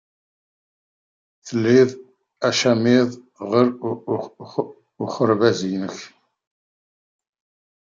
Tlid acamiḍ deg ukerbas-nnek.